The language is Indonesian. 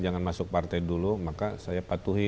jangan masuk partai dulu maka saya patuhi